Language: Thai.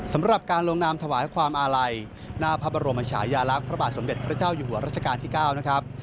สำหรับการลงนามถวายความอาลัยหน้าพระบรมชายาลักษณ์พระบาทสมเด็จพระเจ้าอยู่หัวรัชกาลที่๙นะครับ